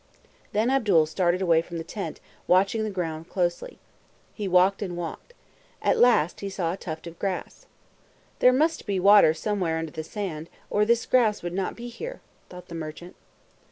Then Abdul started away from the tent, watching the ground closely. He walked and walked. At last he saw a tuft of grass. "There must be water somewhere under the sand, or this grass would not be here," thought the merchant.